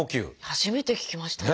初めて聞きました。